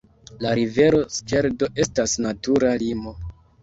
La rivero Skeldo estas natura limo.